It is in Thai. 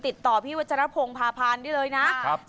ติดต่อพี่วจรพงภาพันธ์ได้เลยนะ